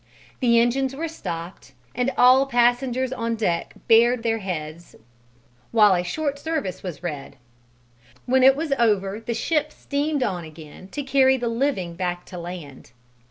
The engines were stopped and all passengers on deck bared their heads while a short service was read; when it was over the ship steamed on again to carry the living back to land.